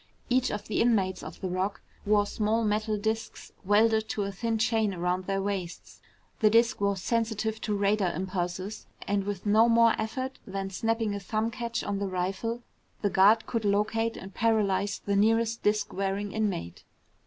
Each of the inmates of the Rock wore small metal disks welded to a thin chain around their waists. The disk was sensitive to radar impulses, and with no more effort than snapping a thumb catch on the rifle, the guard could locate and paralyze the nearest disk wearing inmate.